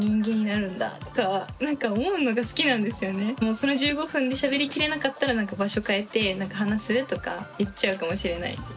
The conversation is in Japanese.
その１５分でしゃべり切れなかったら「場所変えて話す？」とか言っちゃうかもしれないです。